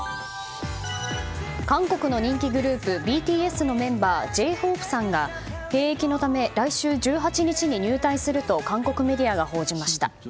韓国の人気グループＢＴＳのメンバーＪ‐ＨＯＰＥさんが、兵役のため来週１８日に入隊すると韓国メディアが報じました。